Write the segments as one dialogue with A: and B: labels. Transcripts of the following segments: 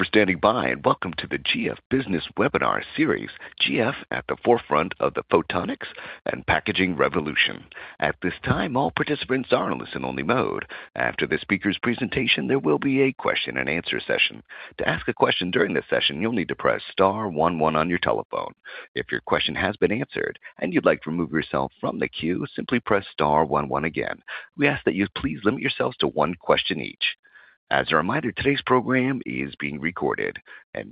A: Thank you for standing by, and welcome to the GF Business Webinar Series, GF at the Forefront of the Photonics and Packaging Revolution. At this time, all participants are in listen only mode. After the speaker's presentation, there will be a question and answer session. To ask a question during this session, you'll need to press star one one on your telephone. If your question has been answered and you'd like to remove yourself from the queue, simply press star one one again. We ask that you please limit yourselves to one question each. As a reminder, today's program is being recorded.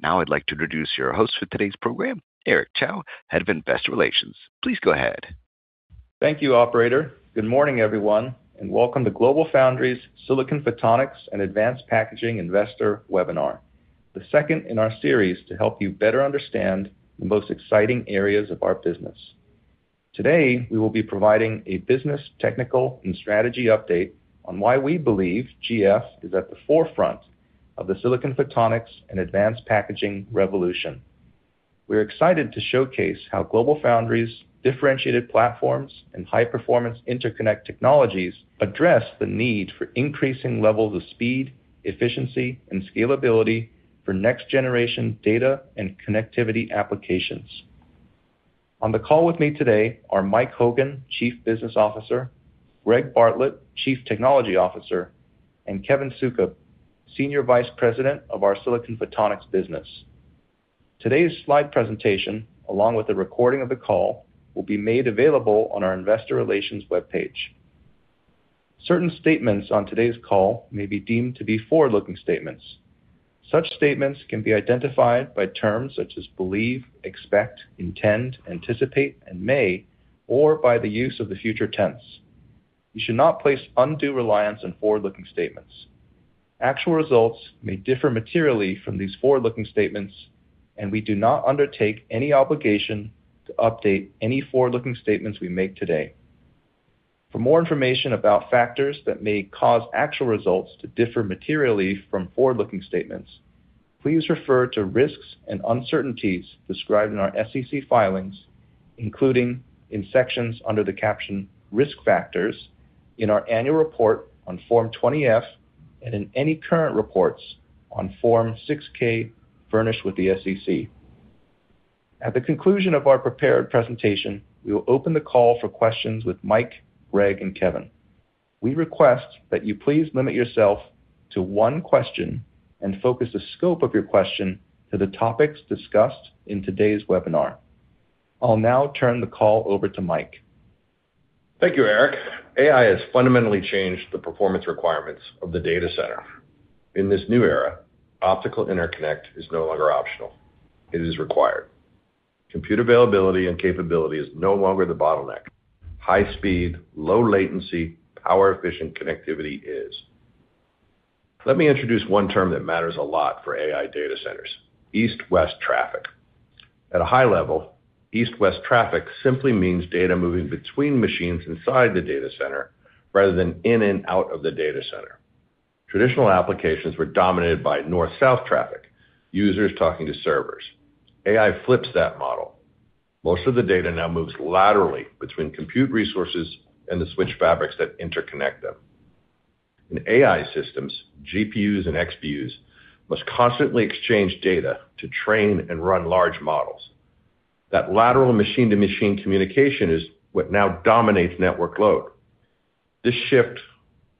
A: Now I'd like to introduce your host for today's program, Eric Chow, Head of Investor Relations. Please go ahead.
B: Thank you, operator. Good morning, everyone, and welcome to GlobalFoundries Silicon Photonics and Advanced Packaging Investor Webinar, the second in our series to help you better understand the most exciting areas of our business. Today, we will be providing a business, technical, and strategy update on why we believe GF is at the forefront of the silicon photonics and advanced packaging revolution. We're excited to showcase how GlobalFoundries differentiated platforms and high-performance interconnect technologies address the need for increasing levels of speed, efficiency, and scalability for next generation data and connectivity applications. On the call with me today are Mike Hogan, Chief Business Officer, Gregg Bartlett, Chief Technology Officer, and Kevin Soukup, Senior Vice President of our Silicon Photonics business. Today's slide presentation, along with the recording of the call, will be made available on our investor relations webpage. Certain statements on today's call may be deemed to be forward-looking statements. Such statements can be identified by terms such as believe, expect, intend, anticipate, and may, or by the use of the future tense. You should not place undue reliance on forward-looking statements. Actual results may differ materially from these forward-looking statements, and we do not undertake any obligation to update any forward-looking statements we make today. For more information about factors that may cause actual results to differ materially from forward-looking statements, please refer to risks and uncertainties described in our SEC filings, including in sections under the caption Risk Factors in our annual report on Form 20-F and in any current reports on Form 6-K furnished with the SEC. At the conclusion of our prepared presentation, we will open the call for questions with Mike, Greg, and Kevin. We request that you please limit yourself to one question and focus the scope of your question to the topics discussed in today's webinar. I'll now turn the call over to Mike.
C: Thank you, Eric. AI has fundamentally changed the performance requirements of the data center. In this new era, optical interconnect is no longer optional, it is required. Compute availability and capability is no longer the bottleneck. High speed, low latency, power efficient connectivity is. Let me introduce one term that matters a lot for AI data centers: east-west traffic. At a high level, east-west traffic simply means data moving between machines inside the data center rather than in and out of the data center. Traditional applications were dominated by north-south traffic, users talking to servers. AI flips that model. Most of the data now moves laterally between compute resources and the switch fabrics that interconnect them. In AI systems, GPUs and XPUs must constantly exchange data to train and run large models. That lateral machine-to-machine communication is what now dominates network load. This shift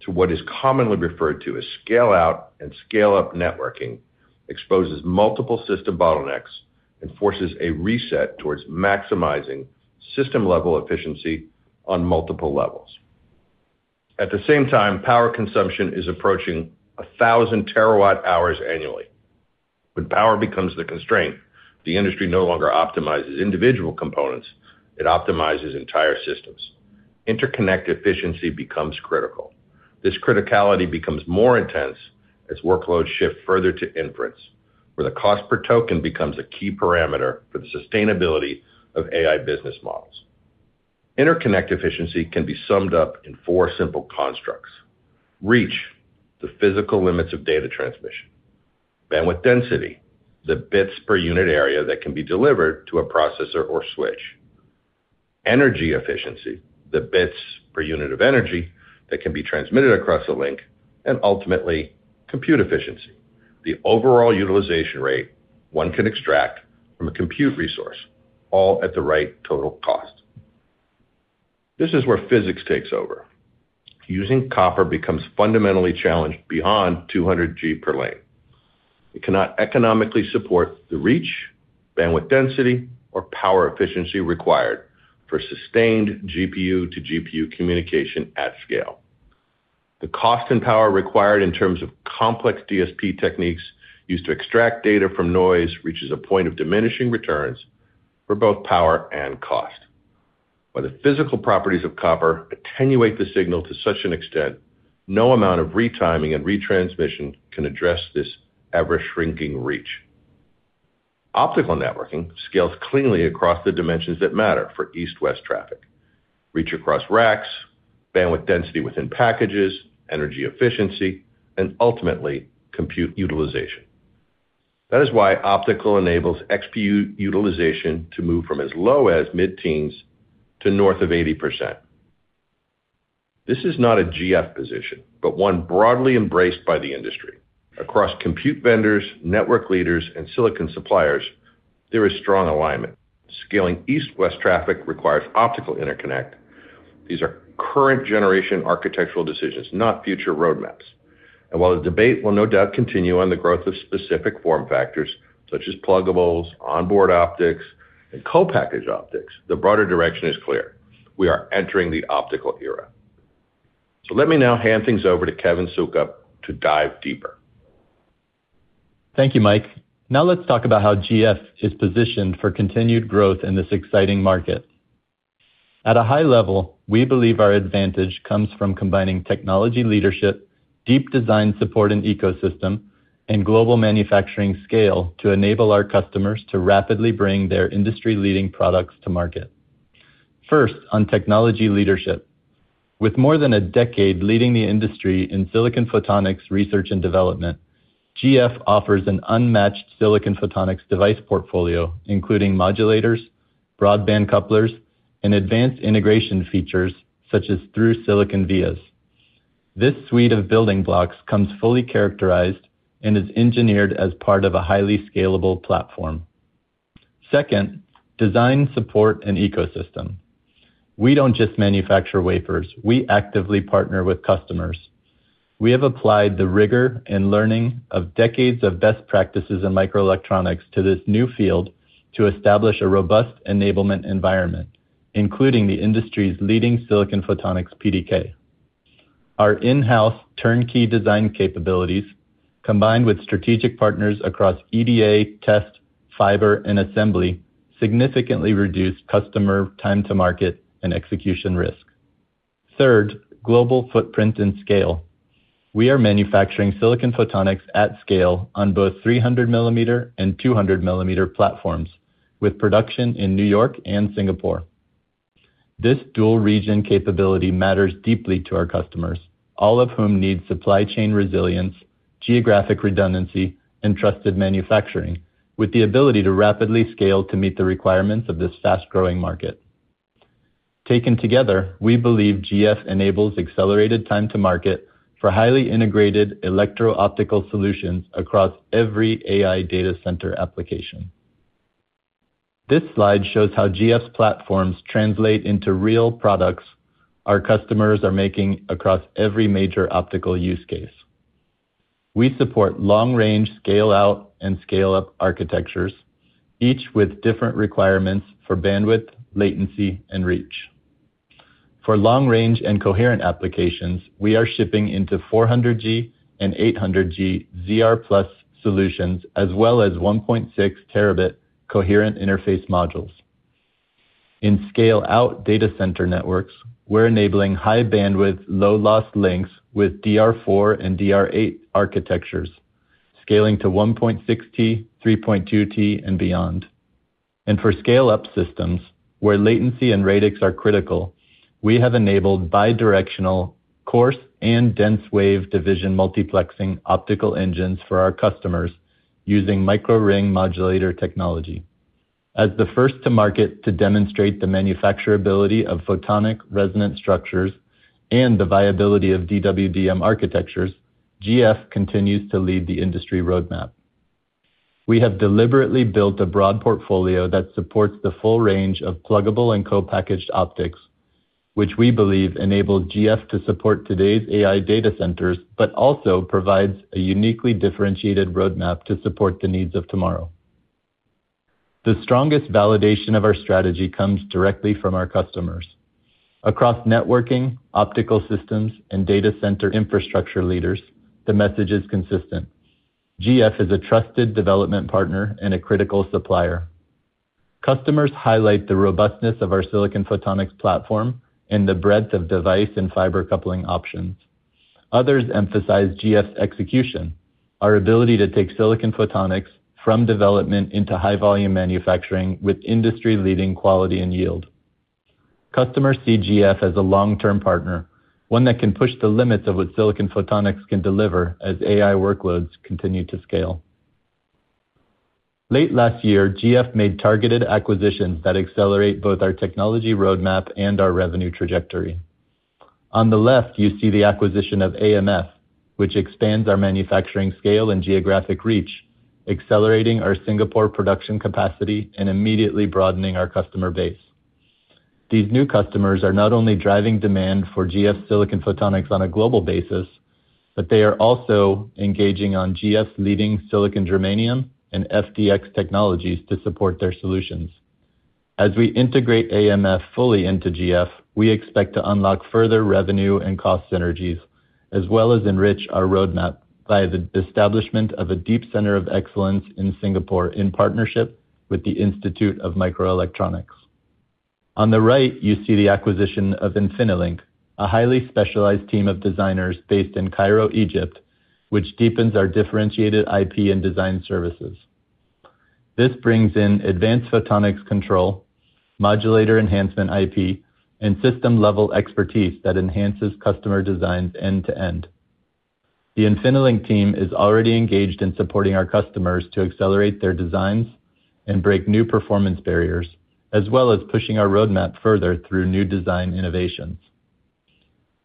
C: to what is commonly referred to as scale out and scale up networking exposes multiple system bottlenecks and forces a reset towards maximizing system level efficiency on multiple levels. At the same time, power consumption is approaching 1,000 TWh annually. When power becomes the constraint, the industry no longer optimizes individual components. It optimizes entire systems. Interconnect efficiency becomes critical. This criticality becomes more intense as workloads shift further to inference, where the cost per token becomes a key parameter for the sustainability of AI business models. Interconnect efficiency can be summed up in four simple constructs. Reach, the physical limits of data transmission. Bandwidth density, the bits per unit area that can be delivered to a processor or switch. Energy efficiency, the bits per unit of energy that can be transmitted across a link. Ultimately, compute efficiency, the overall utilization rate one can extract from a compute resource, all at the right total cost. This is where physics takes over. Using copper becomes fundamentally challenged beyond 200 G per lane. It cannot economically support the reach, bandwidth density, or power efficiency required for sustained GPU to GPU communication at scale. The cost and power required in terms of complex DSP techniques used to extract data from noise reaches a point of diminishing returns for both power and cost. While the physical properties of copper attenuate the signal to such an extent, no amount of retiming and retransmission can address this ever-shrinking reach. Optical networking scales cleanly across the dimensions that matter for east-west traffic. Reach across racks, bandwidth density within packages, energy efficiency, and ultimately compute utilization. That is why optical enables XPU utilization to move from as low as mid-teens to north of 80%. This is not a GF position, but one broadly embraced by the industry. Across compute vendors, network leaders, and silicon suppliers, there is strong alignment. Scaling east-west traffic requires optical interconnect. These are current generation architectural decisions, not future roadmaps. While the debate will no doubt continue on the growth of specific form factors, such as pluggables, onboard optics, and co-package optics, the broader direction is clear. We are entering the optical era. Let me now hand things over to Kevin Soukup to dive deeper.
D: Thank you, Mike. Now let's talk about how GF is positioned for continued growth in this exciting market. At a high level, we believe our advantage comes from combining technology leadership, deep design support and ecosystem, and global manufacturing scale to enable our customers to rapidly bring their industry-leading products to market. First, on technology leadership. With more than a decade leading the industry in Silicon Photonics research and development, GF offers an unmatched Silicon Photonics device portfolio, including modulators, broadband couplers, and advanced integration features such as Through-Silicon Vias. This suite of building blocks comes fully characterized and is engineered as part of a highly scalable platform. Second, design support and ecosystem. We don't just manufacture wafers. We actively partner with customers. We have applied the rigor and learning of decades of best practices in microelectronics to this new field to establish a robust enablement environment, including the industry's leading silicon photonics PDK. Our in-house turnkey design capabilities, combined with strategic partners across EDA, test, fiber, and assembly, significantly reduce customer time to market and execution risk. Third, global footprint and scale. We are manufacturing silicon photonics at scale on both 300 mm and 200 mm platforms, with production in New York and Singapore. This dual-region capability matters deeply to our customers, all of whom need supply chain resilience, geographic redundancy, and trusted manufacturing, with the ability to rapidly scale to meet the requirements of this fast-growing market. Taken together, we believe GF enables accelerated time to market for highly integrated electro-optical solutions across every AI data center application. This slide shows how GF's platforms translate into real products our customers are making across every major optical use case. We support long-range scale-out and scale-up architectures, each with different requirements for bandwidth, latency, and reach. For long range and coherent applications, we are shipping into 400G and 800G ZR+ solutions, as well as 1.6 terabit coherent interface modules. In scale-out data center networks, we're enabling high bandwidth, low loss links with DR4 and DR8 architectures, scaling to 1.6 T, 3.2 T, and beyond. For scale-up systems, where latency and radix are critical, we have enabled bi-directional coarse and dense wave division multiplexing optical engines for our customers using microring modulator technology. As the first to market to demonstrate the manufacturability of photonic resonance structures and the viability of DWDM architectures, GF continues to lead the industry roadmap. We have deliberately built a broad portfolio that supports the full range of pluggable and co-packaged optics, which we believe enables GF to support today's AI data centers, but also provides a uniquely differentiated roadmap to support the needs of tomorrow. The strongest validation of our strategy comes directly from our customers. Across networking, optical systems, and data center infrastructure leaders, the message is consistent. GF is a trusted development partner and a critical supplier. Customers highlight the robustness of our silicon photonics platform and the breadth of device and fiber coupling options. Others emphasize GF's execution, our ability to take silicon photonics from development into high volume manufacturing with industry-leading quality and yield. Customers see GF as a long-term partner, one that can push the limits of what silicon photonics can deliver as AI workloads continue to scale. Late last year, GF made targeted acquisitions that accelerate both our technology roadmap and our revenue trajectory. On the left, you see the acquisition of AMF, which expands our manufacturing scale and geographic reach, accelerating our Singapore production capacity and immediately broadening our customer base. These new customers are not only driving demand for GF silicon photonics on a global basis, but they are also engaging on GF's leading silicon germanium and FDX technologies to support their solutions. As we integrate AMF fully into GF, we expect to unlock further revenue and cost synergies, as well as enrich our roadmap by the establishment of a deep center of excellence in Singapore in partnership with the Institute of Microelectronics. On the right, you see the acquisition of InfiniLink, a highly specialized team of designers based in Cairo, Egypt, which deepens our differentiated IP and design services. This brings in advanced photonics control, modulator enhancement IP, and system-level expertise that enhances customer designs end to end. The InfiniLink team is already engaged in supporting our customers to accelerate their designs and break new performance barriers, as well as pushing our roadmap further through new design innovations.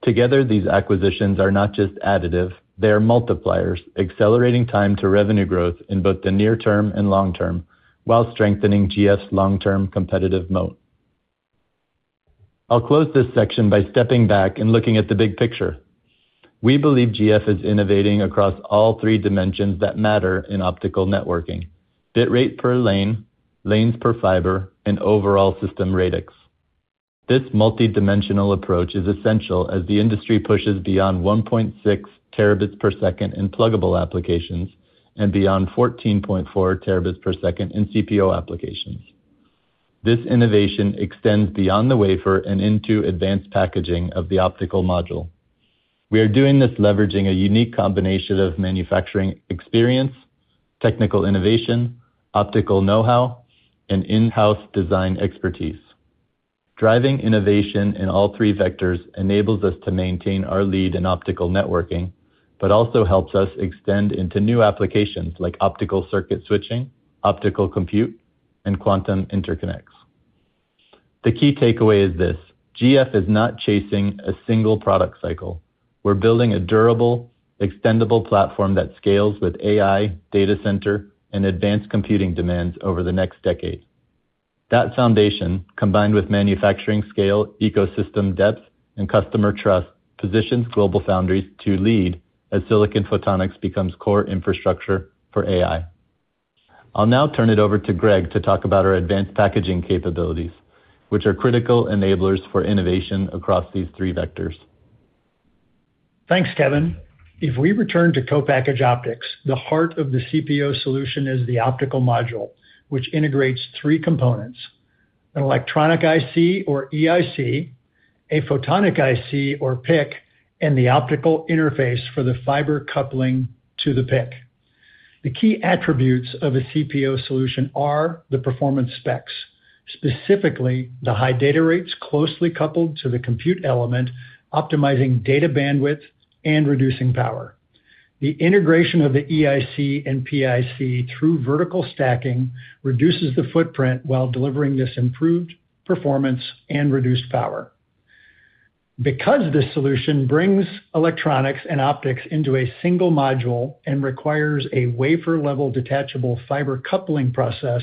D: Together, these acquisitions are not just additive, they are multipliers, accelerating time to revenue growth in both the near term and long term, while strengthening GF's long-term competitive moat. I'll close this section by stepping back and looking at the big picture. We believe GF is innovating across all three dimensions that matter in optical networking, bit rate per lane, lanes per fiber, and overall system radix. This multidimensional approach is essential as the industry pushes beyond 1.6 terabits per second in pluggable applications and beyond 14.4 terabits per second in CPO applications. This innovation extends beyond the wafer and into advanced packaging of the optical module. We are doing this leveraging a unique combination of manufacturing experience, technical innovation, optical know-how, and in-house design expertise. Driving innovation in all three vectors enables us to maintain our lead in optical networking, but also helps us extend into new applications like optical circuit switching, optical compute, and quantum interconnects. The key takeaway is this, GF is not chasing a single product cycle. We're building a durable, extendable platform that scales with AI, data center, and advanced computing demands over the next decade. That foundation, combined with manufacturing scale, ecosystem depth, and customer trust, positions GlobalFoundries to lead as silicon photonics becomes core infrastructure for AI. I'll now turn it over to Greg to talk about our advanced packaging capabilities, which are critical enablers for innovation across these three vectors.
E: Thanks, Kevin. If we return to Co-packaged Optics, the heart of the CPO solution is the optical module, which integrates three components, an electronic IC or EIC, a photonic IC or PIC, and the optical interface for the fiber coupling to the PIC. The key attributes of a CPO solution are the performance specs, specifically the high data rates closely coupled to the compute element, optimizing data bandwidth and reducing power. The integration of the EIC and PIC through vertical stacking reduces the footprint while delivering this improved performance and reduced power. Because this solution brings electronics and optics into a single module and requires a wafer-level detachable fiber coupling process,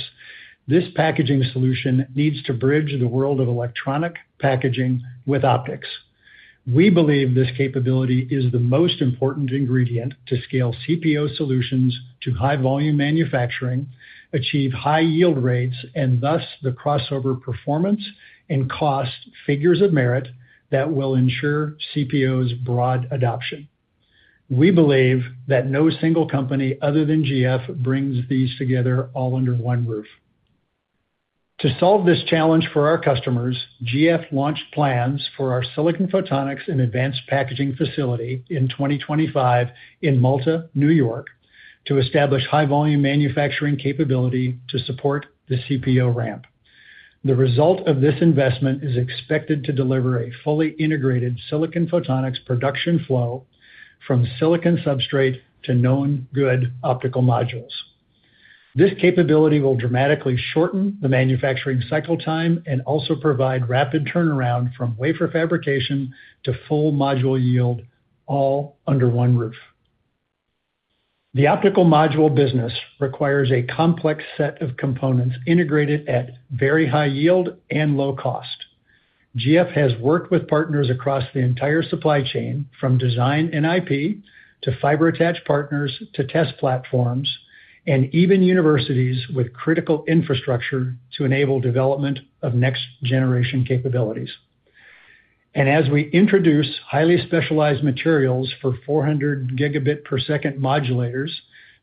E: this packaging solution needs to bridge the world of electronic packaging with optics. We believe this capability is the most important ingredient to scale CPO solutions to high volume manufacturing, achieve high yield rates, and thus the crossover performance and cost figures of merit that will ensure CPO's broad adoption. We believe that no single company other than GF brings these together all under one roof. To solve this challenge for our customers, GF launched plans for our silicon photonics and advanced packaging facility in 2025 in Malta, New York, to establish high-volume manufacturing capability to support the CPO ramp. The result of this investment is expected to deliver a fully integrated silicon photonics production flow from silicon substrate to known good optical modules. This capability will dramatically shorten the manufacturing cycle time and also provide rapid turnaround from wafer fabrication to full module yield all under one roof. The optical module business requires a complex set of components integrated at very high yield and low cost. GF has worked with partners across the entire supply chain, from design and IP, to fiber attach partners, to test platforms, and even universities with critical infrastructure to enable development of next generation capabilities. As we introduce highly specialized materials for 400 gigabit per second modulators,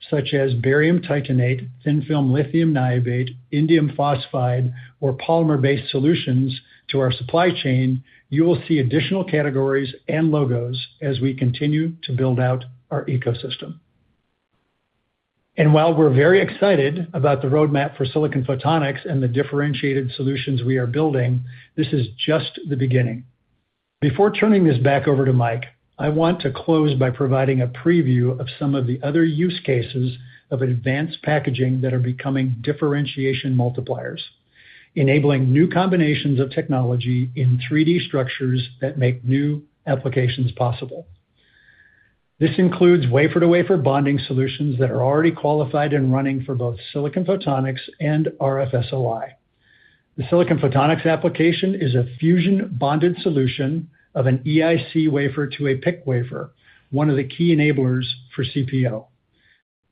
E: such as barium titanate, thin film lithium niobate, indium phosphide, or polymer-based solutions to our supply chain, you will see additional categories and logos as we continue to build out our ecosystem. While we're very excited about the roadmap for silicon photonics and the differentiated solutions we are building, this is just the beginning. Before turning this back over to Mike, I want to close by providing a preview of some of the other use cases of advanced packaging that are becoming differentiation multipliers, enabling new combinations of technology in 3D structures that make new applications possible. This includes wafer-to-wafer bonding solutions that are already qualified and running for both Silicon Photonics and RFSOI. The Silicon Photonics application is a fusion bonded solution of an EIC wafer to a PIC wafer, one of the key enablers for CPO.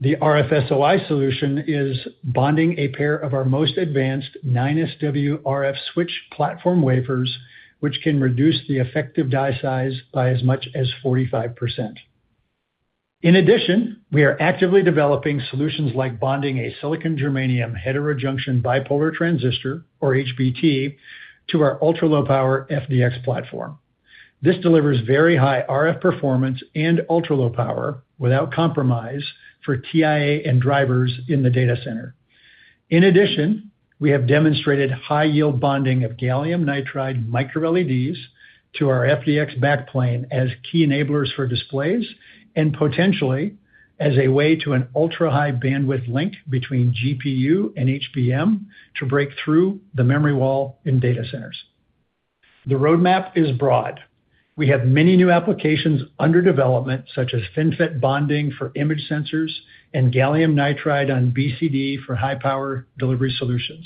E: The RFSOI solution is bonding a pair of our most advanced 9SW RF switch platform wafers, which can reduce the effective die size by as much as 45%. In addition, we are actively developing solutions like bonding a silicon germanium heterojunction bipolar transistor, or HBT, to our ultra-low power FDX platform. This delivers very high RF performance and ultra-low power without compromise for TIA and drivers in the data center. In addition, we have demonstrated high yield bonding of gallium nitride micro-LEDs to our FDX backplane as key enablers for displays and potentially as a way to an ultra-high bandwidth link between GPU and HBM to break through the memory wall in data centers. The roadmap is broad. We have many new applications under development, such as FinFET bonding for image sensors and gallium nitride on BCD for high power delivery solutions.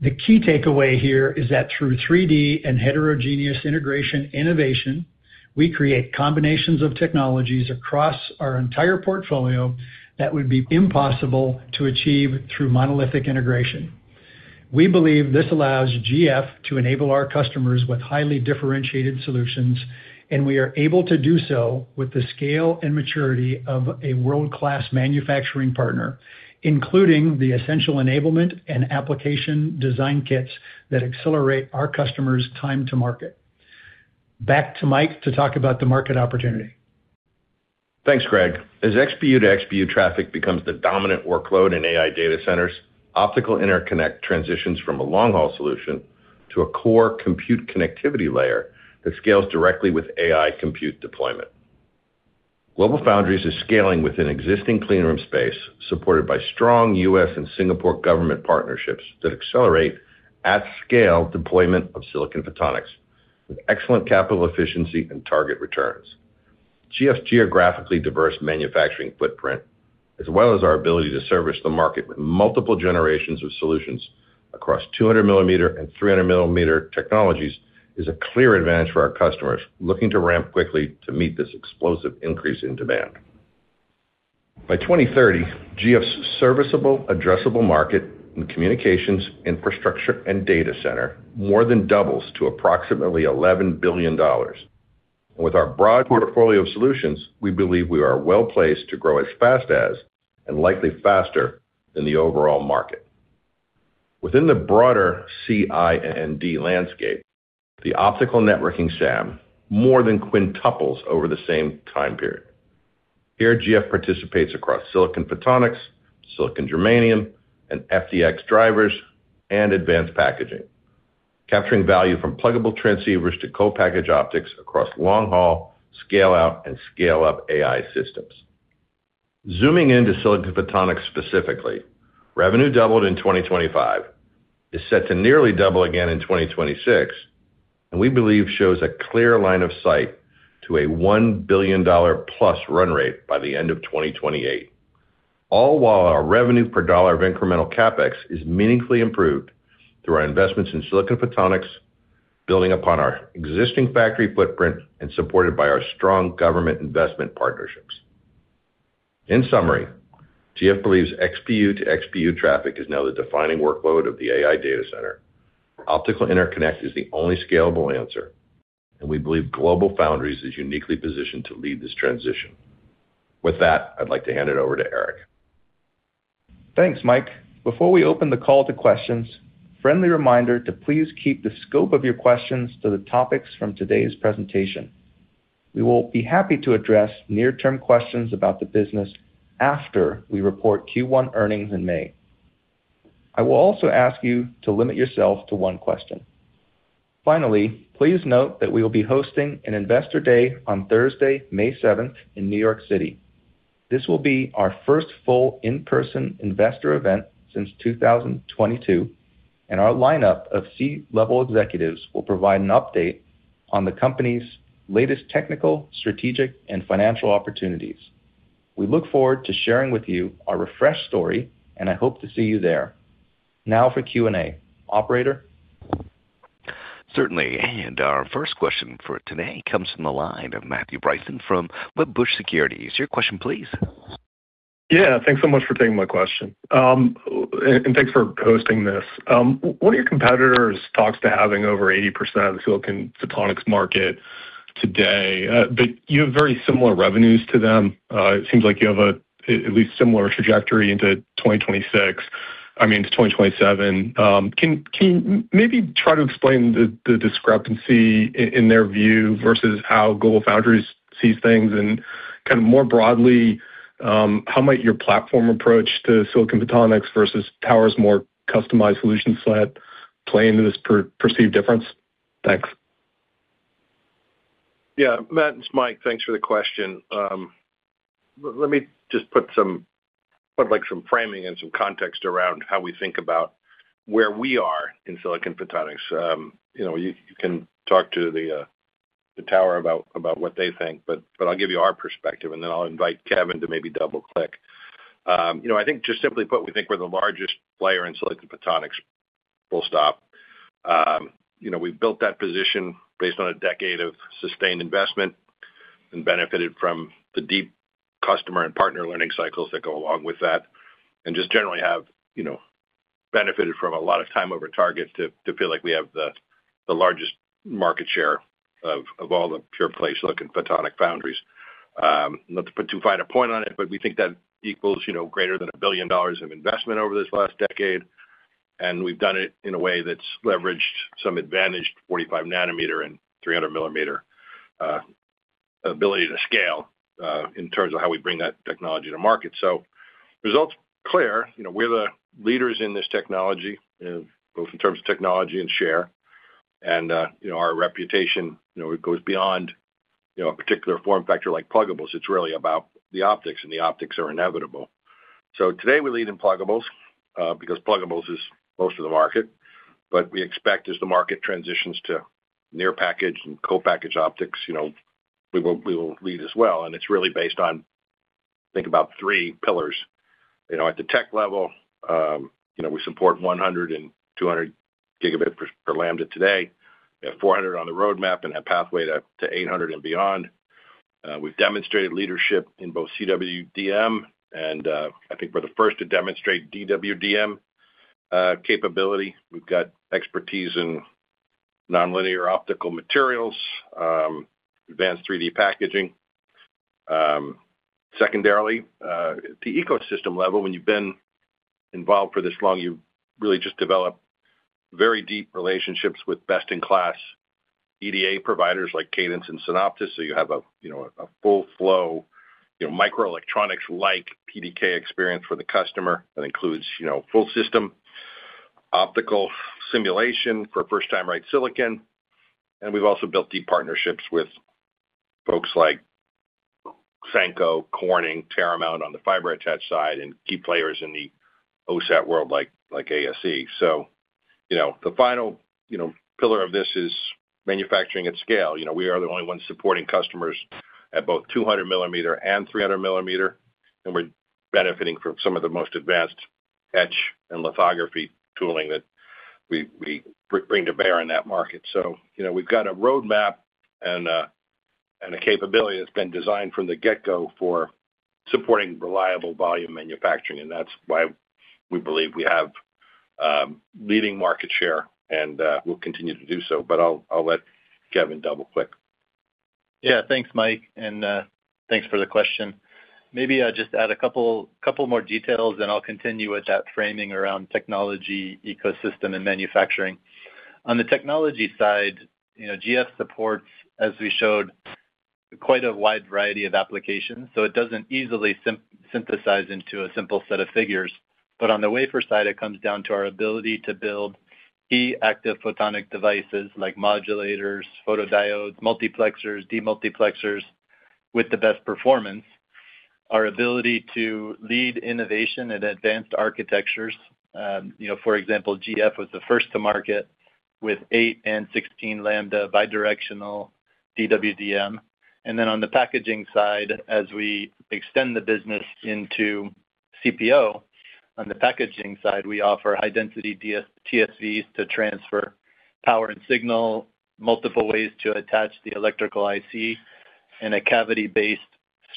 E: The key takeaway here is that through 3D and heterogeneous integration innovation, we create combinations of technologies across our entire portfolio that would be impossible to achieve through monolithic integration. We believe this allows GF to enable our customers with highly differentiated solutions, and we are able to do so with the scale and maturity of a world-class manufacturing partner, including the essential enablement and application design kits that accelerate our customers' time to market. Back to Mike to talk about the market opportunity.
C: Thanks, Gregg. As XPU to XPU traffic becomes the dominant workload in AI data centers, optical interconnect transitions from a long-haul solution to a core compute connectivity layer that scales directly with AI compute deployment. GlobalFoundries is scaling within existing clean room space, supported by strong U.S. and Singapore government partnerships that accelerate at scale deployment of silicon photonics with excellent capital efficiency and target returns. GF's geographically diverse manufacturing footprint, as well as our ability to service the market with multiple generations of solutions across 200 mm and 300 mm technologies, is a clear advantage for our customers looking to ramp quickly to meet this explosive increase in demand. By 2030, GF's serviceable addressable market in communications, infrastructure, and data center more than doubles to approximately $11 billion. With our broad portfolio of solutions, we believe we are well-placed to grow as fast as, and likely faster than the overall market. Within the broader CPO landscape, the optical networking SAM more than quintuples over the same time period. Here, GF participates across silicon photonics, silicon germanium, and FDX drivers and advanced packaging, capturing value from pluggable transceivers to Co-packaged Optics across long haul, scale out, and scale up AI systems. Zooming into silicon photonics specifically, revenue doubled in 2025, is set to nearly double again in 2026, and we believe shows a clear line of sight to a $1 billion+ run rate by the end of 2028. All while our revenue per dollar of incremental CapEx is meaningfully improved through our investments in silicon photonics, building upon our existing factory footprint and supported by our strong government investment partnerships. In summary, GF believes XPU to XPU traffic is now the defining workload of the AI data center. Optical interconnect is the only scalable answer, and we believe GlobalFoundries is uniquely positioned to lead this transition. With that, I'd like to hand it over to Eric.
B: Thanks, Mike. Before we open the call to questions, friendly reminder to please keep the scope of your questions to the topics from today's presentation. We will be happy to address near-term questions about the business after we report Q1 earnings in May. I will also ask you to limit yourself to one question. Finally, please note that we will be hosting an Investor Day on Thursday, May seventh, in New York City. This will be our first full in-person investor event since 2022, and our lineup of C-level executives will provide an update on the company's latest technical, strategic, and financial opportunities. We look forward to sharing with you our refreshed story, and I hope to see you there. Now for Q&A. Operator?
A: Certainly. Our first question for today comes from the line of Matt Bryson from Wedbush Securities. Your question, please.
F: Yeah. Thanks so much for taking my question. Thanks for posting this. One of your competitors talks about having over 80% of the silicon photonics market today, but you have very similar revenues to them. It seems like you have at least a similar trajectory into 2026, I mean, to 2027. Can maybe try to explain the discrepancy in their view versus how GlobalFoundries sees things and kind of more broadly, how might your platform approach to silicon photonics versus Tower's more customized solution set play into this perceived difference? Thanks.
C: Yeah. Matt, it's Mike. Thanks for the question. Let me just put, like, some framing and some context around how we think about where we are in Silicon Photonics. You know, you can talk to the Tower about what they think, but I'll give you our perspective, and then I'll invite Kevin to maybe double-click. You know, I think just simply put, we think we're the largest player in Silicon Photonics, full stop. You know, we've built that position based on a decade of sustained investment and benefited from the deep customer and partner learning cycles that go along with that. Just generally have, you know, benefited from a lot of time over target to feel like we have the largest market share of all the pure play Silicon photonic foundries. Not to put too fine a point on it, but we think that equals, you know, greater than $1 billion of investment over this last decade. We've done it in a way that's leveraged some advantaged 45-nanometer and 300-mm ability to scale in terms of how we bring that technology to market. Results clear, you know, we're the leaders in this technology, both in terms of technology and share. You know, our reputation, you know, it goes beyond, you know, a particular form factor like pluggables. It's really about the optics, and the optics are inevitable. Today we lead in pluggables because pluggables is most of the market. We expect as the market transitions to near-package and co-packaged optics, you know, we will lead as well. It's really based on, I think about three pillars. You know, at the tech level, you know, we support 100 and 200 gigabit per lambda today. We have 400 on the roadmap and a pathway to eight hundred and beyond. We've demonstrated leadership in both CWDM, and I think we're the first to demonstrate DWDM capability. We've got expertise in nonlinear optical materials, advanced 3D packaging. Secondarily, at the ecosystem level, when you've been involved for this long, you really just develop very deep relationships with best-in-class EDA providers like Cadence and Synopsys. So you have a full flow, you know, microelectronics like PDK experience for the customer. That includes full system optical simulation for first time right silicon. We've also built deep partnerships with folks like SENKO, Corning, Teramount on the fiber attach side, and key players in the OSAT world like ASE. You know, the final pillar of this is manufacturing at scale. You know, we are the only ones supporting customers at both 200 mm and 300 mm, and we're benefiting from some of the most advanced etch and lithography tooling that we bring to bear in that market. You know, we've got a roadmap and a capability that's been designed from the get-go for supporting reliable volume manufacturing, and that's why we believe we have leading market share, and we'll continue to do so. I'll let Kevin double-click.
D: Yeah. Thanks, Mike. Thanks for the question. Maybe I'll just add a couple more details, then I'll continue with that framing around technology, ecosystem, and manufacturing. On the technology side, GF supports, as we showed, quite a wide variety of applications, so it doesn't easily synthesize into a simple set of figures. On the wafer side, it comes down to our ability to build key active photonic devices like modulators, photodiodes, multiplexers, demultiplexers with the best performance. Our ability to lead innovation at advanced architectures. For example, GF was the first to market with 8 and 16 lambda bidirectional DWDM. On the packaging side, as we extend the business into CPO, on the packaging side, we offer high-density 3D TSVs to transfer power and signal, multiple ways to attach the electrical IC, and a cavity-based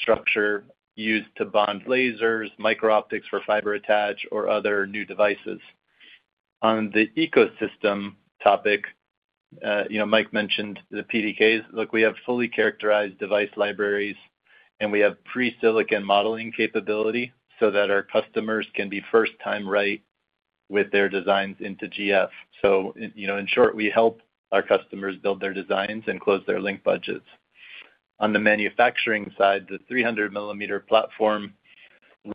D: structure used to bond lasers, micro-optics for fiber attach or other new devices. On the ecosystem topic, you know, Mike mentioned the PDKs. Look, we have fully characterized device libraries, and we have pre-silicon modeling capability so that our customers can be first time right with their designs into GF. You know, in short, we help our customers build their designs and close their link budgets. On the manufacturing side, the 300-mm platform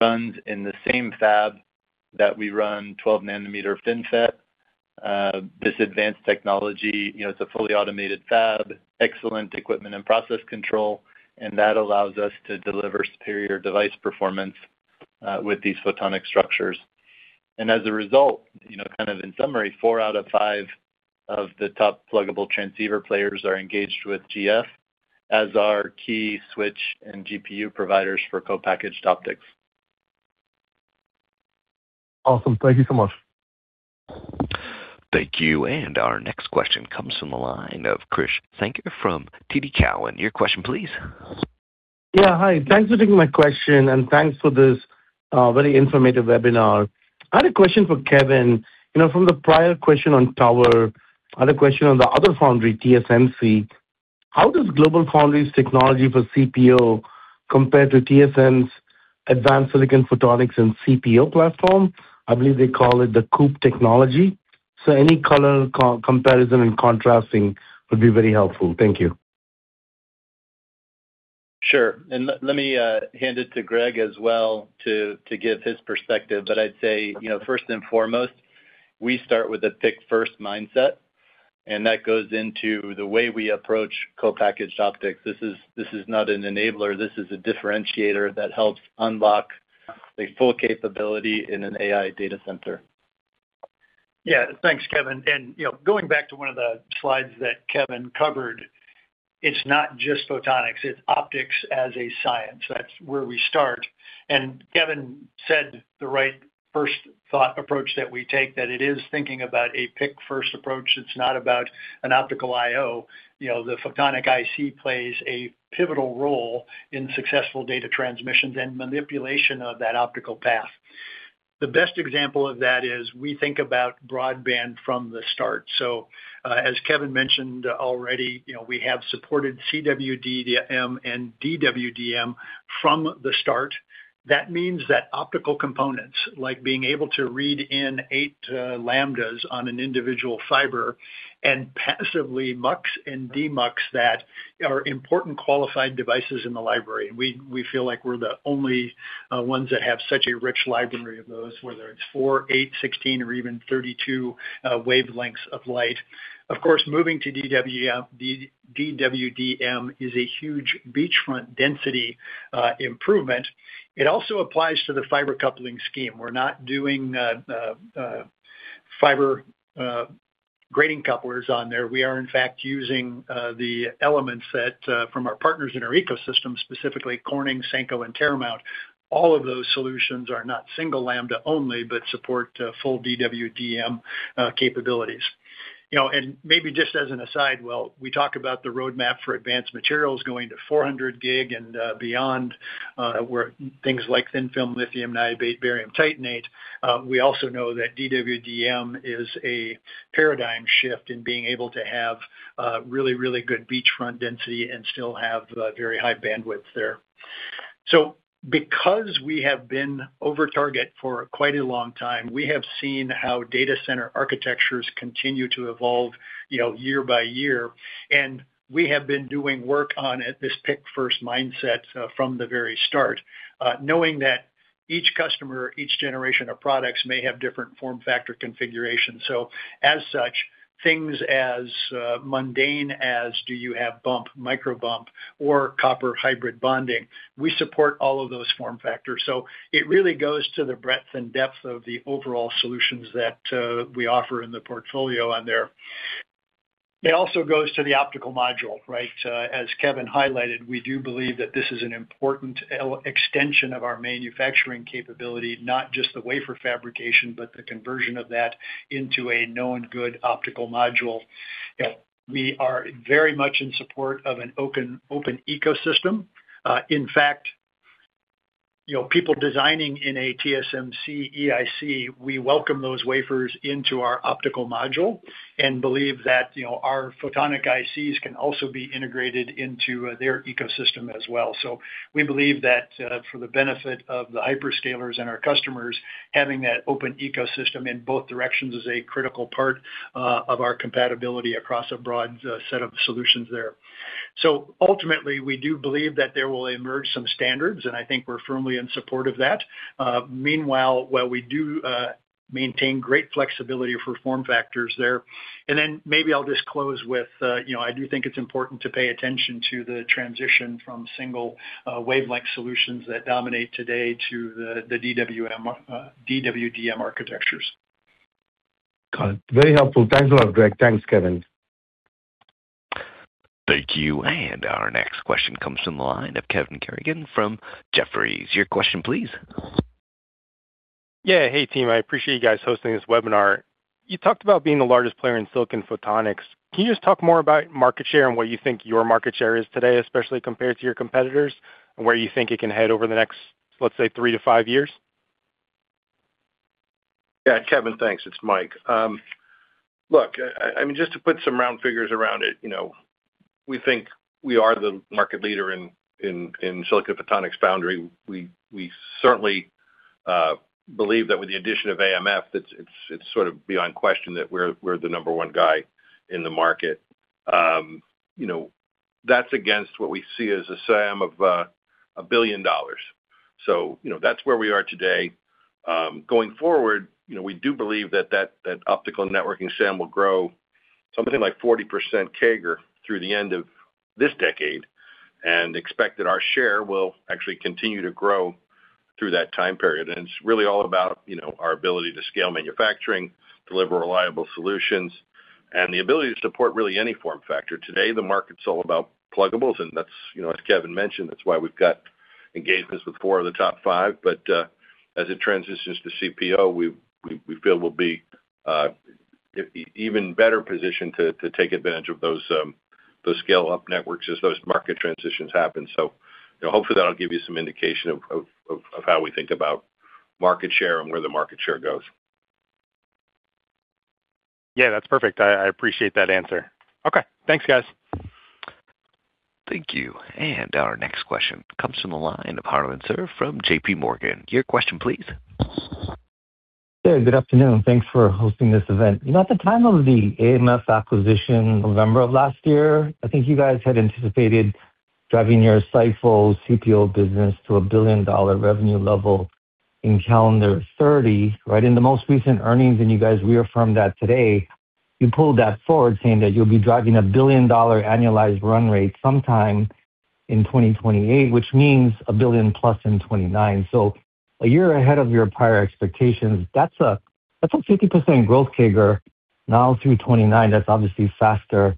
D: runs in the same fab that we run 12-nanometer FinFET. This advanced technology, you know, it's a fully automated fab, excellent equipment and process control, and that allows us to deliver superior device performance with these photonic structures. As a result, you know, kind of in summary, four out of five of the top pluggable transceiver players are engaged with GF as our key switch and GPU providers for co-packaged optics.
F: Awesome. Thank you so much.
A: Thank you. Our next question comes from the line of Krish. Thank you from TD Cowen. Your question please.
G: Yeah. Hi. Thanks for taking my question, and thanks for this very informative webinar. I had a question for Kevin. You know, from the prior question on Tower, I had a question on the other foundry, TSMC. How does GlobalFoundries technology for CPO compare to TSMC's advanced Silicon Photonics and CPO platform? I believe they call it the COUPE technology. So any color, comparison and contrasting would be very helpful. Thank you.
D: Sure. Let me hand it to Greg as well to give his perspective. I'd say, you know, first and foremost, we start with a PIC-first mindset, and that goes into the way we approach Co-packaged Optics. This is not an enabler. This is a differentiator that helps unlock the full capability in an AI data center.
E: Yeah. Thanks, Kevin. You know, going back to one of the slides that Kevin covered, it's not just photonics. It's optics as a science. That's where we start. Kevin said the right first thought approach that we take, that it is thinking about a PIC-first approach. It's not about an optical I/O. You know, the photonic IC plays a pivotal role in successful data transmissions and manipulation of that optical path. The best example of that is we think about broadband from the start. As Kevin mentioned already, you know, we have supported CWDM and DWDM from the start. That means that optical components like being able to read in 8 lambdas on an individual fiber and passively mux and demux that are important qualified devices in the library. We feel like we're the only ones that have such a rich library of those, whether it's 4, 8, 16 or even 32 wavelengths of light. Of course, moving to DWDM is a huge bandwidth density improvement. It also applies to the fiber coupling scheme. We're not doing the fiber grating couplers on there. We are in fact using the elements from our partners in our ecosystem, specifically Corning, SENKO and Teramount. All of those solutions are not single lambda only, but support full DWDM capabilities. You know, and maybe just as an aside, well, we talk about the roadmap for advanced materials going to 400 gig and beyond, where things like thin-film lithium niobate, barium titanate. We also know that DWDM is a paradigm shift in being able to have really good beachfront density and still have the very high bandwidth there. Because we have been over target for quite a long time, we have seen how data center architectures continue to evolve, you know, year by year. We have been doing work on it, this PIC-first mindset, from the very start, knowing that each customer, each generation of products may have different form factor configurations. As such, things as mundane as do you have bump, micro-bump or copper hybrid bonding, we support all of those form factors. It really goes to the breadth and depth of the overall solutions that we offer in the portfolio on there. It also goes to the optical module, right? As Kevin highlighted, we do believe that this is an important extension of our manufacturing capability, not just the wafer fabrication, but the conversion of that into a known good optical module. We are very much in support of an open ecosystem. In fact, you know, people designing in a TSMC EIC, we welcome those wafers into our optical module and believe that, you know, our photonic ICs can also be integrated into their ecosystem as well. We believe that, for the benefit of the hyperscalers and our customers, having that open ecosystem in both directions is a critical part of our compatibility across a broad set of solutions there. Ultimately, we do believe that there will emerge some standards, and I think we're firmly in support of that. Meanwhile, while we do maintain great flexibility for form factors there. Then maybe I'll just close with, you know, I do think it's important to pay attention to the transition from single wavelength solutions that dominate today to the DWDM architectures.
G: Got it. Very helpful. Thanks a lot, Greg. Thanks, Kevin.
A: Thank you. Our next question comes from the line of Kevin Cassidy from Jefferies. Your question please.
H: Yeah. Hey, team. I appreciate you guys hosting this webinar. You talked about being the largest player in Silicon Photonics. Can you just talk more about market share and what you think your market share is today, especially compared to your competitors, and where you think it can head over the next, let's say, three to five years?
C: Yeah. Kevin, thanks. It's Mike. Look, I mean, just to put some round figures around it, you know, we think we are the market leader in Silicon Photonics foundry. We certainly believe that with the addition of AMF, it's sort of beyond question that we're the number one guy in the market. You know, that's against what we see as a SAM of a billion dollars. So, you know, that's where we are today. Going forward, you know, we do believe that optical networking SAM will grow something like 40% CAGR through the end of this decade and expect that our share will actually continue to grow through that time period. It's really all about, you know, our ability to scale manufacturing, deliver reliable solutions, and the ability to support really any form factor. Today, the market's all about pluggables, and that's, you know, as Kevin mentioned, that's why we've got engagements with four of the top five. As it transitions to CPO, we feel we'll be even better positioned to take advantage of those scale up networks as those market transitions happen. You know, hopefully that'll give you some indication of how we think about market share and where the market share goes.
H: Yeah, that's perfect. I appreciate that answer. Okay, thanks, guys.
A: Thank you. Our next question comes from the line of Harlan Sur from JP Morgan. Your question please.
I: Hey, good afternoon. Thanks for hosting this event. You know, at the time of the AMF acquisition November of last year, I think you guys had anticipated driving your SiPho CPO business to a $1 billion revenue level in calendar 2030, right? In the most recent earnings, you guys reaffirmed that today, you pulled that forward saying that you'll be driving a $1 billion annualized run rate sometime in 2028, which means a $1 billion+ in 2029. So a year ahead of your prior expectations. That's a 50% growth CAGR now through 2029. That's obviously faster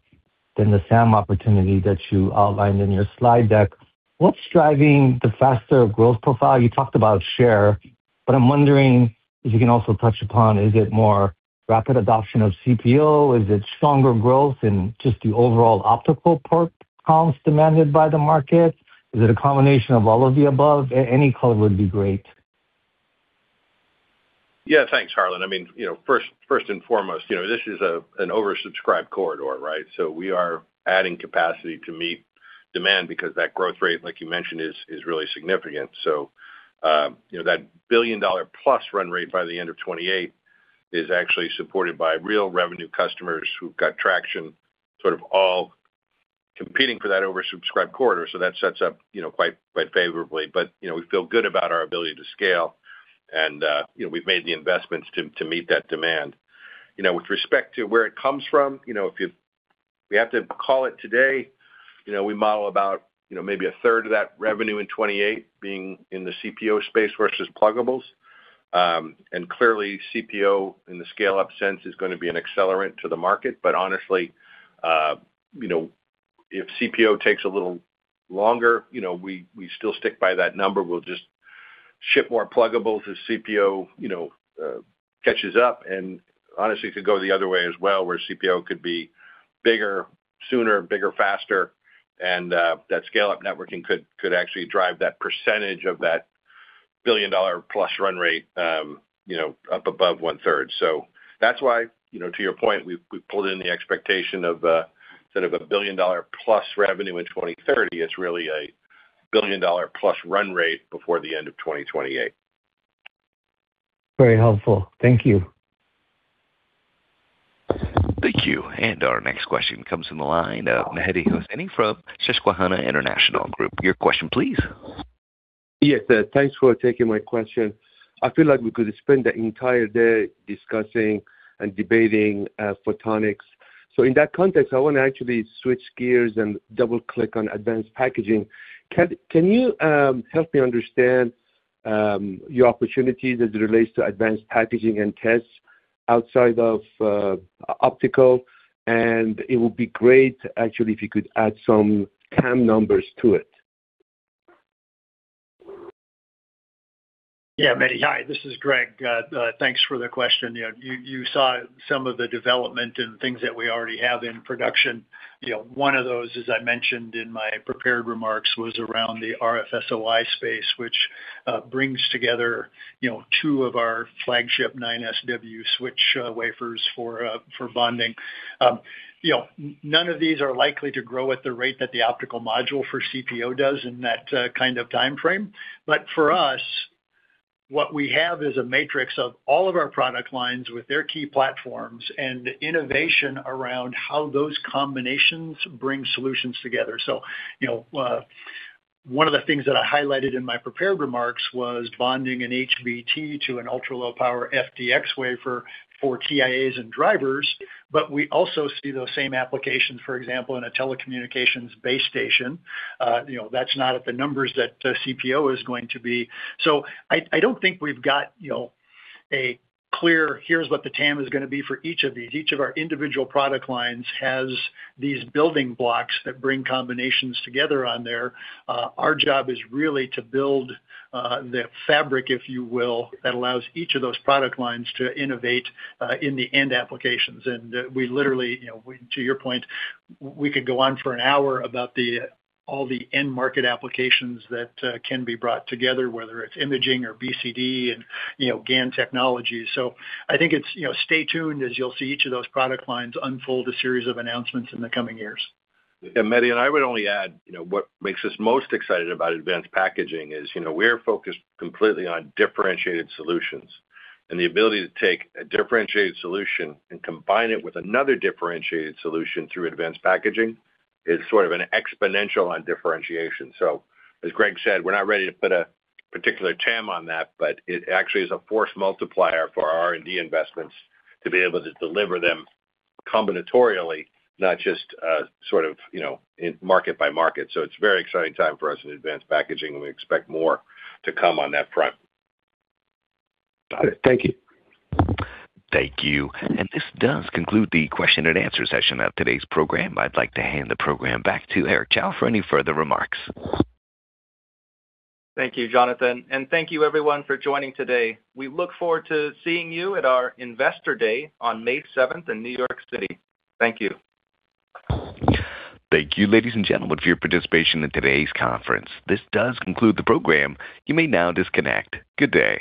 I: than the SAM opportunity that you outlined in your slide deck. What's driving the faster growth profile? You talked about share, but I'm wondering if you can also touch upon, is it more rapid adoption of CPO, is it stronger growth in just the overall optical port counts demanded by the market? Is it a combination of all of the above? Any color would be great.
C: Yeah. Thanks, Harlan. I mean, you know, first and foremost, you know, this is an oversubscribed corridor, right? We are adding capacity to meet demand because that growth rate, like you mentioned, is really significant. You know, that billion-dollar plus run rate by the end of 2028 is actually supported by real revenue customers who've got traction, sort of all competing for that oversubscribed quarter. That sets up, you know, quite favorably. You know, we feel good about our ability to scale and, you know, we've made the investments to meet that demand. You know, with respect to where it comes from, you know, we have to call it today, you know, we model about, you know, maybe a third of that revenue in 2028 being in the CPO space versus pluggables. Clearly, CPO in the scale-up sense is gonna be an accelerant to the market. But honestly, you know, if CPO takes a little longer, you know, we still stick by that number. We'll just ship more pluggables as CPO, you know, catches up and honestly, could go the other way as well, where CPO could be bigger sooner, bigger faster, and that scale-up networking could actually drive that percentage of that billion-dollar plus run rate, you know, up above 1/3. That's why, you know, to your point, we've pulled in the expectation of, instead of a billion-dollar plus revenue in 2030, it's really a billion-dollar plus run rate before the end of 2028.
I: Very helpful. Thank you.
A: Thank you. Our next question comes from the line of Mehdi Hosseini from Susquehanna International Group. Your question please.
J: Yes. Thanks for taking my questionI feel like we could spend the entire day discussing and debating photonics. In that context,I wanna actually switch gears and double-click on advanced packaging. Can you help me understand your opportunity as it relates to advanced packaging and tests outside of optical? And it would be great actually if you could add some TAM numbers to it.
E: Yeah, Mehdi. Hi, this is Greg. Thanks for the question. You know, you saw some of the development and things that we already have in production. You know, one of those, as I mentioned in my prepared remarks, was around the RFSOI space, which brings together, you know, two of our flagship 9SW switch wafers for bonding. You know, none of these are likely to grow at the rate that the optical module for CPO does in that kind of timeframe. For us, what we have is a matrix of all of our product lines with their key platforms and innovation around how those combinations bring solutions together. You know, one of the things that I highlighted in my prepared remarks was bonding an HBT to an ultra-low power FDX wafer for TIAs and drivers, but we also see those same applications, for example, in a telecommunications base station. You know, that's not at the numbers that CPO is going to be. I don't think we've got, you know, a clear, here's what the TAM is gonna be for each of these. Each of our individual product lines has these building blocks that bring combinations together on there. Our job is really to build the fabric, if you will, that allows each of those product lines to innovate in the end applications. We literally, you know, to your point, we could go on for an hour about all the end market applications that can be brought together, whether it's imaging or BCD and, you know, GaN technology. I think it's, you know, stay tuned as you'll see each of those product lines unfold a series of announcements in the coming years.
C: Mehdi, and I would only add, you know, what makes us most excited about advanced packaging is, you know, we're focused completely on differentiated solutions. The ability to take a differentiated solution and combine it with another differentiated solution through advanced packaging is sort of an exponential on differentiation. As Greg said, we're not ready to put a particular TAM on that, but it actually is a force multiplier for our R&D investments to be able to deliver them combinatorially, not just sort of, you know, in market by market. It's a very exciting time for us in advanced packaging, and we expect more to come on that front.
J: Got it. Thank you.
A: Thank you. This does conclude the question and answer session of today's program. I'd like to hand the program back to Eric Chow for any further remarks.
B: Thank you, Jonathan. Thank you everyone for joining today. We look forward to seeing you at our Investor Day on May seventh in New York City. Thank you.
A: Thank you, ladies and gentlemen, for your participation in today's conference. This does conclude the program. You may now disconnect. Good day.